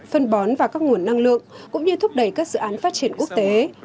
phân bón và các nguồn năng lượng cũng như thúc đẩy các dự án phát triển quốc tế